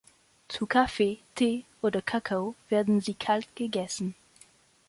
Zu Kaffee, Tee oder Kakao werden sie kalt gegessen.